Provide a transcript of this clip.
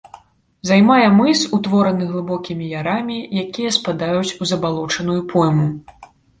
Займае мыс, утвораны глыбокімі ярамі, якія спадаюць у забалочаную пойму.